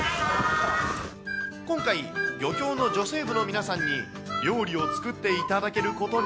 今回、漁協の女性部の皆さんに、料理を作っていただけることに。